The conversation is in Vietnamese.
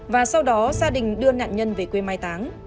và sau đó gia đình đưa nạn nhân về quê mai táng